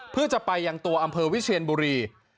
เพื่อจะไปยังตัวอำเภอวิเชียนบุรี